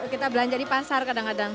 kita belanja di pasar kadang kadang